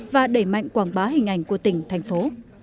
và đẩy mạnh quảng bá hình ảnh của tỉnh thành phố